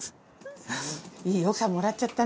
いい奥さんもらっちゃったね。